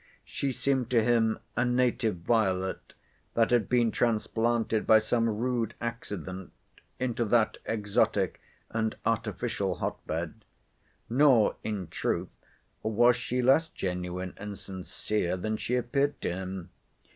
She seemed to him a native violet, that had been transplanted by some rude accident into that exotic and artificial hotbed. Nor, in truth, was she less genuine and sincere than she appeared to him.